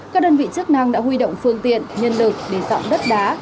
các đơn vị chức năng đã huy động phương tiện nhân lực để dọn đất đá